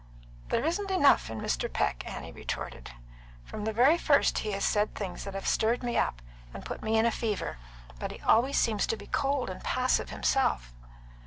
"There isn't enough in Mr. Peck," Annie retorted. "From the very first he has said things that have stirred me up and put me in a fever; but he always seems to be cold and passive himself."